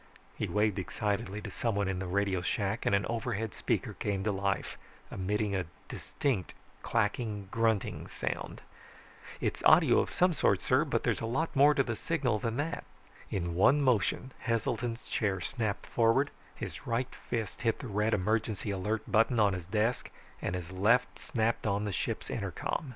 He waved excitedly to someone in the radio shack and an overhead speaker came to life emitting a distinct clacking grunting sound. "It's audio of some sort, sir, but there's lots more to the signal than that." In one motion Heselton's chair snapped forward, his right fist hit the red emergency alert button on his desk, and his left snapped on the ship's intercom.